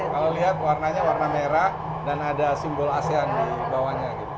kalau lihat warnanya warna merah dan ada simbol asean di bawahnya